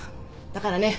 だからね